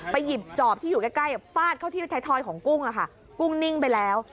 หยิบจอบที่อยู่ใกล้ฟาดเข้าที่ไทยทอยของกุ้งกุ้งนิ่งไปแล้ว